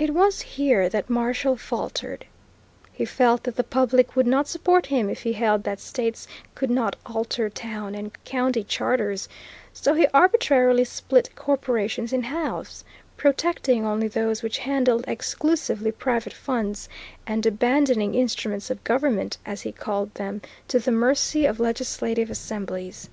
It was here that Marshall faltered. He felt that the public would not support him if he held that states could not alter town and county charters, so he arbitrarily split corporations in halves, protecting only those which handled exclusively private funds, and abandoning "instruments of government," as he called them, to the mercy of legislative assemblies.